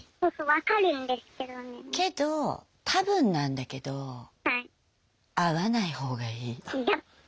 けど多分なんだけど会わない方がいい。